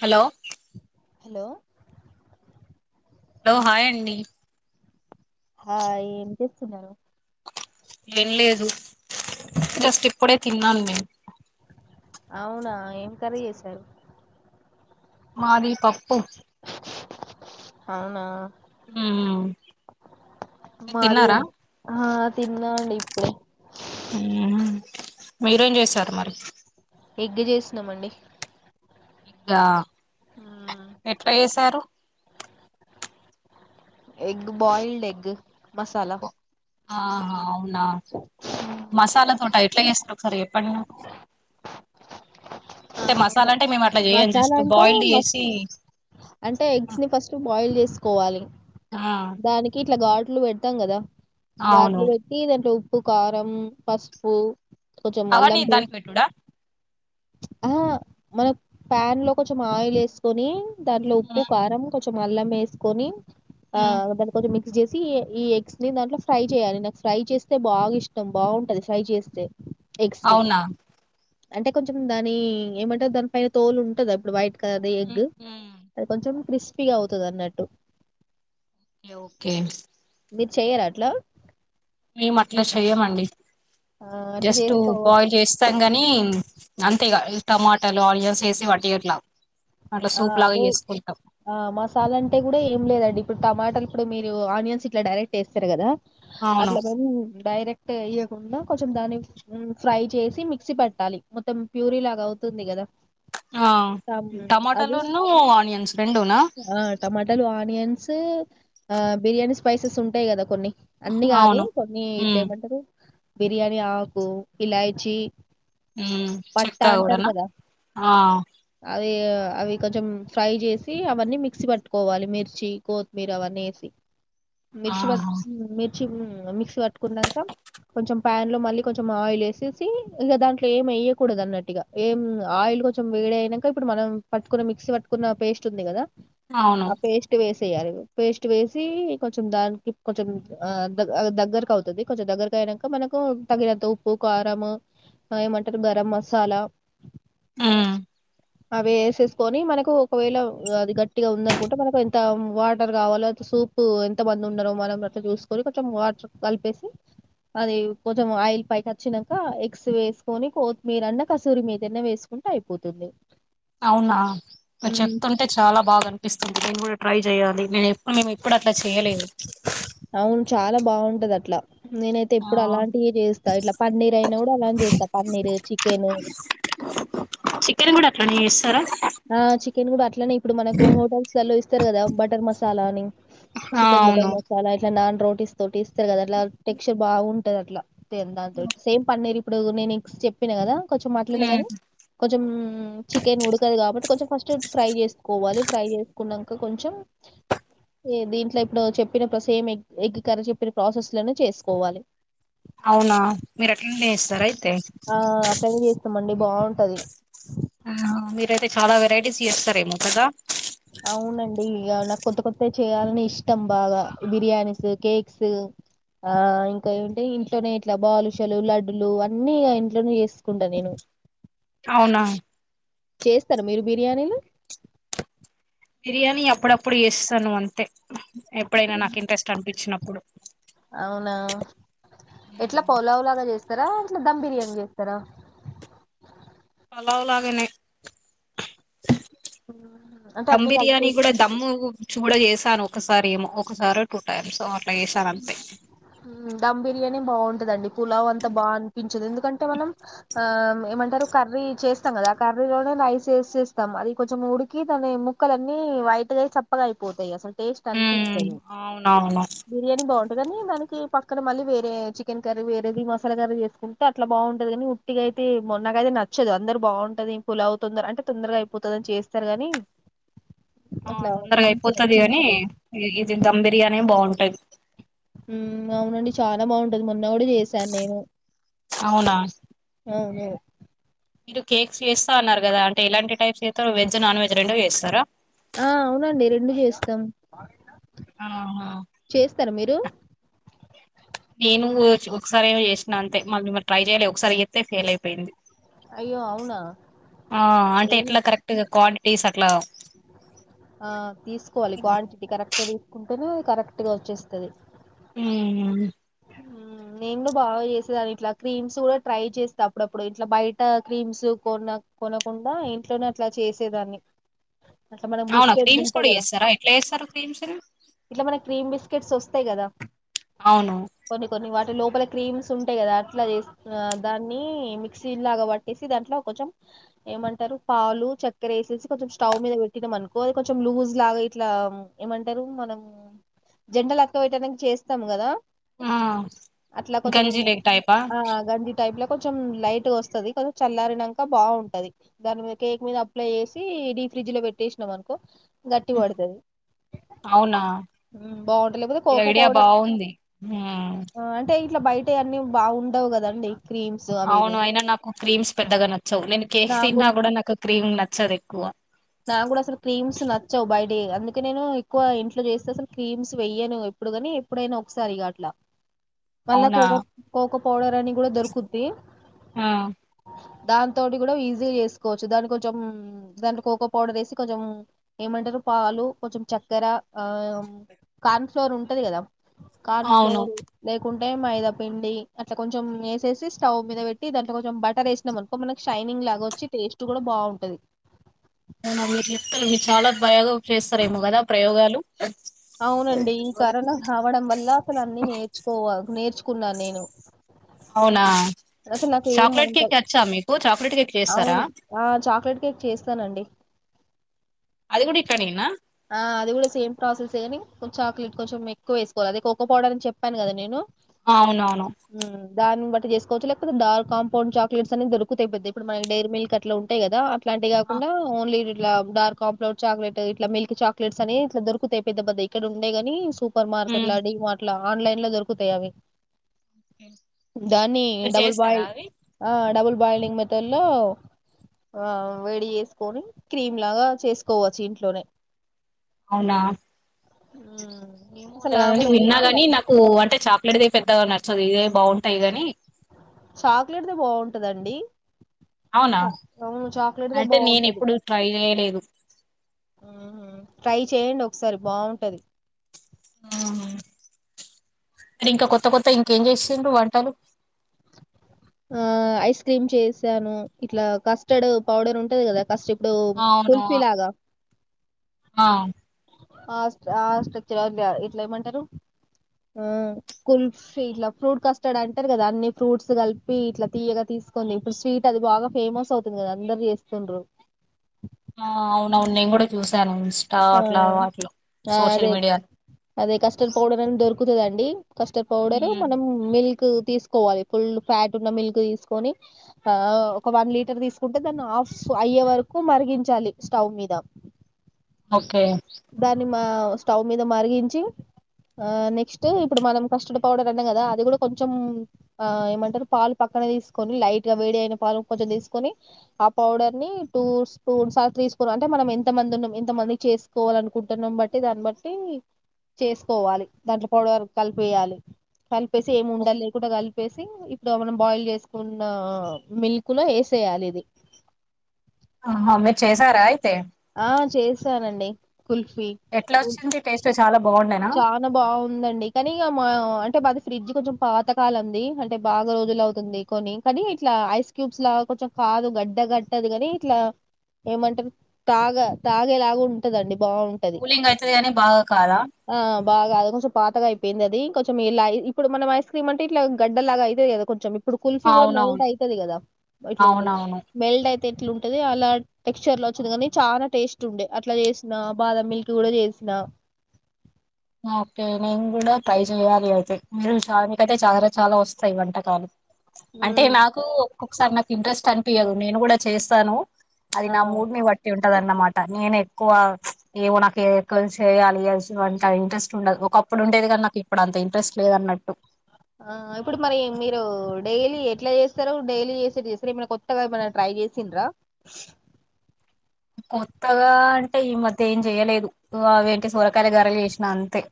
Hello hello hello hi అండి hi ఏం చేస్తున్నారు ఏం లేదు జస్ట్ ఇప్పుడే తిన్నాను నేను అవునా ఏం కర్రీ చేసారు మాది పప్పు అవునా హ్మ్ మీరు తిన్నారా తిన్నఅండి ఇప్పుడే అవునా మీరేం చేసారు మరి ఎగ్ చేస్తున్నామండి ఇంకా ఎట్లా చేసారు ఎగ్ బాయిల్డ్ ఎగ్ మసాలా ఆహా అవునా మసాలా తోట ఎట్లా చేస్ ఒకసారి చెప్పండి నాకు ఆ, అంటే మసాలా బ- అంటే మేము అట్లా చేయం జస్ట్ మసాలా అంటే బాయిల్డ్ మ చేసి తీసుకోవాలి ఆ దానికి ఇట్లా గాడు నువ్ పెట్టం కదా అవును ఘాట్లో పెట్టి దాంట్లో ఉ ఉప్పు కారం పసుపు కొంచెం అవన్నీ అల్లం దానికి పేస్ట్ పెట్టుడా ఆ మనం ప్యాన్ లో కొంచెం ఆయిల్ వేసు ని దాంట్లో ఉప్పు కారం కొంచెం అల్లం వేసుకొని ఆ దన్ కొదిమీ చేసి ఈ ఎగ్స్ ని దాంట్లో ఫ్రై చేయాలి నాకు ఫ్రై చేస్తే బాగా ఇష్టం బాగుంటంది ఫ్రై చేస్తే ఎగ్స్ ని అవునా అంటే కొంచెం దాని ఏమంటారు దాని పైన తోలు ఉంటద ఇప్పుడు వైట్ కద ఆది ఎగ్ కొంచం క్రిస్ స్పీగ అవుతది అన్నట్టు లోకే మీర్ చెయ్యర అట్లా మేం అట్ల చెయ్యమండి ఆ అట్లా జస్ట్ చేసుకోవా బాయిల్ చేస్తాం గనీ అంతే ఇగ టమాటలు ఆనియన్స్ వేసి వట్టిగట్ల ఆ అదే ఆ మసాలా అంటే కూడ ఏం లేదండి ఇప్పుడు టమాటలు ఇప్పుడు మీ మీరు ఆనియన్స్ ఇట్ డైరెక్ట్ ఎస్తరు కదా అవును అట్ల గనీ డైరేక్ ట్ట వేయకుండ కొంచెం దాన్ని ఫ్రై చేసి మిక్సీ పట్టాలి మొత్తం ప్యూరీ లాగ అవుతుంది కదా ఆ తమ్- టమోట్ అది టలూను ఆనియన్స్ రెండున టమాటాలు, ఆనియన్స్ సు ఆ బిర్యానీ స్పైసెస్ ఉంటాయి కదా కొన్ని అన్ని కాదు అవును కొన్ని ఇట్ల ఉమ్ ఏమంటరు బిర్యాని ఆకు ఇలాయచీ మ్మ్ చెక్కా కూడ నా ఆ యేవ్ అవి కొంచెం ఫ్రై చేసి అవన్నీ మిక్సీ పట్టుకోవాలి. మిర్చి కొత్తిమీర అవన్నీ వేసి, మిర్చి ఆహా వర్ మిర్ మిక్సీ పట్టుకున్నాక కొంచెం ప్యాన్ లో మళ్ళీ కొంచెం ఆయిల్ వేసేసి, ఇక దాంట్లో ఏమి వెయ్యకూడదు. అన్నట్టు ఇక ఏం ఆయిల్ కొంచెం వేడి అయినాక ఇప్పుడు మనం పట్టుకున్న మిక్సీ పట్టుకున్న పేస్ట్ ఉంది కదా అవును ఆ పేస్ట్ వేస్ చేయాలి పేస్ట్ వేసి కొంచెం దానికి కొంచెం దగ్గరకు అవుతుంది. కొంచెం దగ్గరకు అయినాక మనకు తగినంత ఉప్పు కారం ఏమంటారు గరం మసాలా ఉ మ్ వేస్ వేసుకొని మనకు ఒకవేళ అది గట్టిగా ఉందనుకుంటే, మనకు ఎంత వాటర్ కావాలో, సూప్ ఎంత మంది ఉండలో, మనం అట్లా చూసుకొని, కొంచెం వాటర్ కలిపేసి, అది కొంచెం ఆయిల్ పైకి వచ్చినంక, ఎగ్స్ వేసుకొని కోత్తిమీరన్నా, కసూరి మేతి వేసుకుంటే అయిపోతుంది. అవునా చెప్తుంటే చాలా బాగా అనిపిస్తుంది. ట్రై చేయాలి నేను ఎప్పుడు మేము ఎప్పుడు అట్లా చేయలేదు. అవును చాలా బాగుంటది అట్లా నేనైతే ఆ ఎప్పుడు అలాంటివి చేస్తా. ఇట్లా పన్నీర్ అయినా కూడా అలాంటివి చేస్తా. పన్నీర్, చికెన్. మీరు కూడా అట్లనే చేస్తార. ఆ చికెన్ కూడా అట్లనే ఇప్పుడు మనకు హోటల్స్ లల్లో ఇస్తారు కదా! బటర్ మసాలా అని ఆ చికెన్ అవును బటర్ మసాలా ఇట్లా నాన్ రోటిస్ తోటిస్ స్తారు కదా అలా టెక్చర్ బాగుం ఎట్ట తట్లా ఎంతా సేమ్ అన్నేరు ఇప్పుడు నేను ఎగ్స్ చెప్పినను కదా కొంచెం అట్లనే ఉమ్ కానీ కొంచెం చికెన్ ఉడుకు కాబట్టి కొంచెం ఫస్ట్ ఫ్రై చేసుకోవాలి ఫ్రై చేసుకున్న కా కొంచెం దీంట్లో ఇప్పుడు చెప్పినప్పు సేమ్ ఎ ఎగ్గికర్రీ చెప్పిన ప్రాసెస్ లోనే చేసుకోవాలి. అవునా మీరు అట్లనే చేస్తార అయితే ఆ అట్లనే చేస్తామండి బాగుంటది ఆ మీరైతే చాలా వెరైటీస్ చేస్తారేమో కదా ఇ నాకు కొత్త కొత్త చేయాలని ఇష్టం. బాగా బిర్యానీస్, కేక్స్ ఆ ఇంకా ఏంటే ఇంట్లోనే ఇట్లా బాలుషలు, లడ్డులు అన్నీ ఇంట్లోనే చేసుకుంటాను నేను. అవునా చేస్తారు మీరు బిర్యానీలు బిర్యానీ అప్పుడప్పుడు చేస్తాను అంతే ఎప్పుడైనా నాకు ఇంట్రెస్ట్ అనిపించినప్పు ఇప్పుడు అవునా ఎట్లా పొలావు కూడ చేస్త స్తారా ఇట్లా ధమ్ బిర్యానీ చేస్తారా పొలావులాగానే హ్మ్. అంటే దమ్ అన్ని బిర్యాని కలిపేసి కూడా దమ్ చూడ చేసాను ఒకసారి ఏమో ఒకసారి టూ టైమ్స్ ట్ల ఏశానంతే ర్యానీ బాగుంటుదండి పులావ్ అంత బా అనిపించదు ఎందు కంటే మనం ఆ ఏమంటారు కర్రీ చేస్తాం కదా ఆ కర్రీలోనే రైస్ వేసేస్తాం, అది కొంచెం ఉడికి దాని ముక్కలన్నీ వైట్గా చప్పగా అయిపోతాయి అసలు. టేస్ట్ హ్మ్అవును అవునా కాని బాగుంటంది కానీ దానికి పక్కన మళ్లీీ వేరే చికెన్ కర్రీ వేరేది మసాలా కర్రీ చేసుకుంటే అట్లా బాగుంటది కాని ఉట్టిగా అయితే మొన్నక అయితే నచ్చదు, అందరు బాగుంటది పులావు తొందర అంటే తొందరగా అయిపోతుంది అని చేస్తారు గాని, ఆ అట్లా తొందరగా మంచిగా అయిపోతుది కాని అనిపించదు ఇది గి ధమ్ బిర్యానీ బాగుంటాది హ్మ్ అవునండి చానా బాగుంటది మొన్ నోడి చేసా నేను అవునా అవును మీరు కేక్స్ చేస్తా అన్నారు కదా అంటే ఇలాంటి టైప్స్ చేస్తారో వెజ్ నాన్ వెజ్ రెండో చేస్తారా ఆ అవునండి రెండు చేస్తాం ఆహా చేస్తార మీర్ డు నేను ఒకసారి ఏ చేసినా అంతే మళ్ళీరు ట్రై చేయాలి ఒకసారి ఎస్తతే ఫెయిల్ అయిపోయింది అయ్యో అవునా ఆ అంటే ఏం ఎట్లా కరెక్ట్ గా తీస ఆ తీసుకోవాలి క్వాంటిటీ కరెక్ట్ తీసుకుంటేనే కరెక్ట్ గా వచ్చేస్తుంది ఆ నేను బాగా చేసేదాన్ని ఇట్లా క్రీమ్స్ కూడా ట్రై చేస్తా అప్పుడప్పుడు ఇట్లా బయట క్రీమ్స్ కొన కొనకుండా ఇంట్లోనే అట్లా చేసేదాన్ని అట్లా మనకు అవునా బిస్కెట్స్ క్రీమ్స్ ఉంటాయి కూడా కదా వస్తారా ఎట్లా వస్తారు క్రీమ్స్ ఇట్లా మన క్రీమ్ బిస్కెట్స్ వస్తాయి కదా అవును కొన్ని కొన్ని వాటి లోపల క్రీమ్స్ ఉంటాయి కదా అట్ల చేసిన దాన్ని మిక్సీ లాగా పట్టేసి దాంట్లో కొంచం ఏమంటారు పాలు చక్కెర వేసేసి కొంచం స్టవ్ మీద పెట్టినా అనుకో కొంచం లూజ లాగా ఇట్లా ఏమంటారు మనం జండల్ అత్కపెట్టనికి చేస్తం కదా ఆ అట్లా కొంచం గంజి లేక్ టైపా ఆ గంజి టైప్ల కొంచం లైట్ టు వస్తది కొంచం చల్లారినక బాగుంటది దాని మీద కేక్ మీద అప్లై చేసి డీ ఫ్రిడ్జ్ లో పెట్టేసినాం అనుకో గట్టి పడతది అవునా ఈ ఐడియా బాగుంది హ్ మ్ అంటే ఇట్లా బయటయన్ని బాఉండవు కదండి క్రీమ్స్ అవి అవును ఇవి అయినా నాకు క్రీమ్స్ పెద్దగా నచ్చవు నేను కేక్ నాకు తిన్నా గూడ నాకు క్రీమ్ నచ్చదు క్కువ నాకు గుడా అసలు క్రీమ్స్ నచ్చవు బయటియి అందుకే నేను ఎక్కువ ఇంట్లో చేస్తే అసలు క్రీమ్స్ వెయ్యను ఎప్పుడు కాని ఎప్పుడైనా ఒకసారి ఇగ అట్లా మళ్ళ అవునా కోకో ఒక పడర్ అని కూడా దొరుకుద్ది ఆ దాన్తోటి గూడా ఈజీగా చేసుకోవచ్చు దానికి కొంచం దాంట్ల కోకో పోడర్ వేసి కొంచం ఏమంటారు పాలు కొంచం చక్కెర ఆ కాన్ ఫ్లోర్ ఉంటది కదా కార్న్ అవును ఫ్లోర్ లేకుం టె మైదా పిండి అట్లా కొంచం యేసేసి స్టవ్ మీద పెట్టి దాంట్లో కొంచం బటర్ వేసినాం అనుకో మనకి షైనింగ్ లాగా వచ్చి టేస్ట్ కూడా బాగుంటంది అవునా మీరు చెప్తారు మీరు చాలా బాయాగా చేస్తారేమో కదా ప్రయోగాలు అవునండి ఈ కరోనా కావడం వల్ల అసలు అన్ని నేర్చుకోవాలి నేర్చుకో కున్నా నేను అవునా అసలు నాకు ఏం చాక్లేట్ వంట కేక్ అచ్చా మీకు చాక్లేట్ కోక్ అవును ఆ చాక్లెట్ కేక్ చేస్తాను అండి అది కూడా ఇట్లనేన ఆ అది కూడా సేమ్ ప్రాసెస్ గని చాక్లెట్ కొంచెం ఎక్కువ వేసుకోవాలి అదే కోకో పౌడర్ అని చెప్పాను కదా నేను అవునవును హమ్ దాన్ని బట్టి చేస్కోచ్చు లేకపోతే దార్క్ కాంఫౌండ్ చాక్లెట్స్ అని దొకుతయి పెద్దయి ఇప్పుడు మనకి డైరీ మిల్క్ అట్ల ఉంటాయి కాదా అట్లాంటి ఆ, కాకుండా ఓన్లీ ఇలా డార్క్ కాప్లోడ్ చాక్లేట్ ఇట్ల మిల్క్ చాక్లేట్స్ అని ఇట్లా దొరుకుతయి పెద్ద పెద్దయి ఇక్కడ ఉండయి కాని సూప్ సూపర్ ఉమ్. మార్కెట్లా డీ మార్ట్ల ఆన్లన్లో దొరుకుతయి అవి దాన్ని మీరు డబుల్ చేస్తారా బాయ్ అవి ఆ డబుల్ బాయిలింగ్ మెథన్లో ఆ వేడి చేసుకొని క్రీమ్ లాగా చేసుకోవచ్చు ఇంట్లోనే అవునా అసలు నాకు కూడా ఏం విన్నాగాని నాకు అంటే చ ఆది పెద్దగా నచ్చంది ఇదే బాగుంటాయి గని చాక్లెట్ది బాగుంటుందండి చ అవునా అవును చాక్లెట్ డే అంటే నేను బాగుంటది ఎప్పుడు ట్రై చేయలేదు ట్రై చెయండి ఓ సారి బాగుంటది ఆ అరి ఇంకా కొత్త కొత్తయిఇంకేం చేస్తాం వంటలు హమ్ ఐస్ క్రీమ్ చేసాను ఇట్లా కస్టర్డ్ పౌడర్ ఉంటది కదా కస్టర్ హ్ అవును కుల్ఫీలాగా ఆ ఆ ఆట ఇట్లా ఏమంటారు ఆ కుల్ఫీ ఇట్లా ఫ్రూట్ ఫ్రూట్స్ కలిపి కస్టర్డ్ అంటారు కదా అన్ని ఫ్రూట్స్ కలిపి ఇట్లా తీయగా తీసుకోంది ఇప్పుడు స్వీట్ అది బాగా ఫేమస్ అవుతుంది కదా అందరు చేస్తుండ్రు ఆ అవునవును నేను కూడా చూసాను ఇన్స్టా హ అట్లా వాటిలో సోషల్ అదే మీడియాలో అదే కస్టర్డ్ పోడర్ దొరికు తక్కుతుదండి కస్టర్డ్ పౌడరు మనం మిల్క్ క్ తీసుకోవాలి ఫుల్ ఫ్యాట్ ఉన్న మిల్క్ తీసుకొని ఆ ఒక వన్ లీటర్ తీసుకుంటే దాన్ని ఆఫ్ అయ్యే వరకు మరిగించాలి స్టవ్ మీద ఓకే దాన్ని మా స్టవ్ మీద మరిగించి ఆ నెక్స్ట్ ఇప్పుడు మనం కస్టర్డ్ పౌడర్ అన్నాం కదా అది కూడా కొంచెం ఆ ఏమంటారు పాలు పక్కన తీసుకొని లైట్ గా వేడి అయిన పాలు కొంచెం తీసుకొని ఆ పౌడర్ ని టూ స్పూన్ సార్ తీసుకో అంటే మనం ఎంత మంది ఉ కొంత మంది చేసుకోవాలనుకుంటున్నాం బట్టి దాన్ని బట్టి చేసుకోవాలి దాంట్లో పౌడ కలిపేయాలి కలిపి చె ఏ ఉండల్ లేకుండాలి కలిపిగ్ ప్పేసి ఇప్పుడు మనం బాయిల్ చేసుకున్న మిల్క్ ల వేసేయాలి ఇది ఆహ మీరు చేశారా అయితే ఆ చేసానండి కుల్ఫీ ఎట్లా వచ్చింది టేస్ట్ చాలా బాగుండే చాలా బాగుందండి కానీ ఇక మా అంటే అది ఫ్రిడ్జ్ కొంచెం పాతకాలంది అంటే బాగా రోజులు అవుతుంది కొని కాని ఇట్లా ఐస్ క్యూబ్స్ లాగా కొంచెం కాదు గడ్డ గట్టది కాని ఇట్లా ఏమంటారు తాగ తాగేలాగా ఉంటదండి బావుంటది. కూలింగ్ అయితుది కానీ బాగా కాదా ఆ బాగా అది కొంచెం పాతగా అయిపోయింది అది కొంచెం ఇలా ఇప్పుడునం ఐస్ క్రీమ్ అంటే ఇట్లా గడ్డలాగా అయితది కదా కొంచెం ఇప్పుడు కుల్ఫీ కూడా మెల్ట్ అవునవును అవుతది కదా ఇట్లా ఉండి అవునవును మెల్ట్ అయి తెట్లు ఉంటది అలా టెక్స్చర్ లో వచ్చింది కానీ చాలా టేస్ట్ ఉండే అట్లా చేసిన బాదం మిల్క్ కూడా చేసిన ఓకే నేను కూడా ట్రై చెయ్యాలి అయితే మీరు చా మీక అయితే చాలా చాలా వస్తాయి వంటకాలు. అంటే హ్మ్ నాకు ఒకసారి నాకు ఇంట్రెస్ట్ అనిపియదు నేను కూడా చేస్తాను అది నా ఆ మూడునీ బట్టి ఉం ఉంటదన్నమాట నేను ఎక్కువ ఏమో నాకు ఎక్కువ చేయాలి అంటి ట ఇ ఇంట్రెస్ట్ ఉండదు ఒక అప్పుడు ఉండేది కానీ నాకు ఇప్పుడు అంత ఇంట్రెస్ట్ లేదు అన్నట్టు ఆ ఇప్పుడు మరి మీరు డైలీ ఎట్లా చేస్తారు డైలీ చేసే చేస్తారు ఏమ కొత్తగా ఏమ ట్రై చేసిండ్రా కొత్తగా అంటే ఈ మధ్య ఏం చేయలేదు అవేంటి సోరకాయ గర్రలు చేసిన అంతే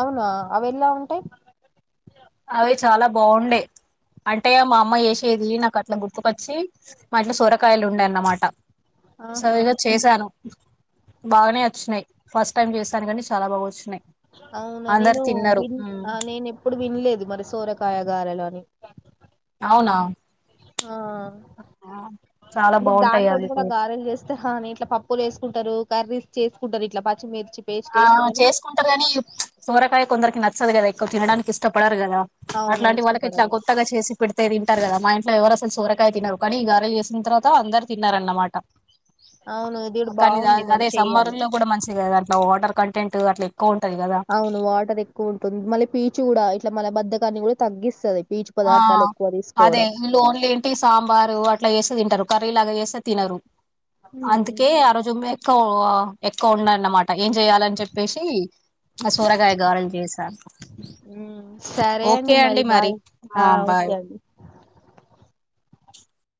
అవునా అవ ఎలా ఉంటాయి అవి చాలా బాగుండే అంటే మా అమ్మ చేసేది నాకు అట్లా గుర్తుకొచ్చి మా ఇట్లో సూరకాయలు ఉండేయ అన్నమాట ఆహా సరిగా చేశాను బాగానే వచ్చినయి ఫస్ట్ టైమ్ చేసానుకనీ చాలా బాగా వచ్చినా్ అవునా నేను విన్ నేను ఎప్పుడు వినలేదు మరి సోరకాయగాారలోని అవునా ఆ చాలా అంటే దాని బాగుంటాయి తటి అవి కూడా గారెలు చేస్తే హనీ ఇట్లా పప్పులు వేసుకుంటారు కర్రీస్ చేసుకుంటారు ఇట్లా పచ్చి మిర్చి ఆ చేసుకుంటారు కాని సోరకాయ కొందరికి నచ్చ నాచాధు కథ ఎకువా తినడానికి ఇష్టపడారు కా ఆ అవును అట్లాంటి వాళ్ళకి ఎట్లా ఇష్టపడను కొత్తగా చేసి పెడతేది తింటారు కదా మా ఇంట్లో ఎవరు అసలు చూరకాయ తినరు కానీ ఈ గార చేసిన తర్త అందరు తిన్నారుారన్నమాట అవును ఇది కూడా కానీ బాగుంది మరి అదే చెయ్యాలి సంమ్వారంలో కూడా మంచిది కద వాటర్ కంటెంట్ అట్ అవును వాటర్ ఎక్కువ ఉంటుంది మళ్ళీ పీచు కూడా ఇట్లా మన బద్దకాన్ని కూడా తగ్గిస్తుది ఆ అదే వీళ్ళు ఓన్లీ ఏంటి సాంబారు అట్లా వేసే తింటారు కరలాగాయిస తిన రూ అందకే ఆ రోజుమ్మ ఎక్కువ ఎక్కువ ఉన్నాన్నమాట ఏం చెయాలని చెప్పేసి ఆ సూరగాయ గారులు చేసాను ఉమ్ సరే ఓకే అండి మరి బాయ్ ఆ ఓకే అండి